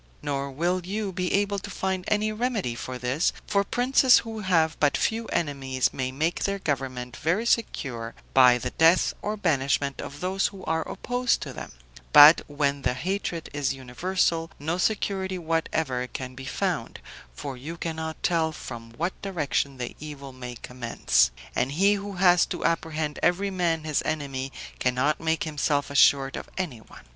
Nor will you be able to find any remedy for this; for princes who have but few enemies may make their government very secure by the death or banishment of those who are opposed to them; but when the hatred is universal, no security whatever can be found, for you cannot tell from what direction the evil may commence; and he who has to apprehend every man his enemy cannot make himself assured of anyone.